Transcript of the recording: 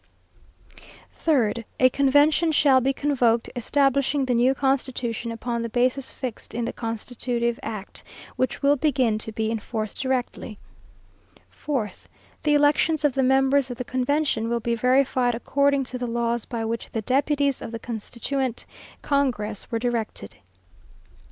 3rd. "A convention shall be convoked, establishing the new constitution, upon the basis fixed in the Constitutive Act, which will begin to be in force directly. 4th. "The elections of the members of the convention, will be verified according to the laws by which the deputies of the Constituent Congress were directed.